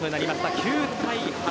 ９対８。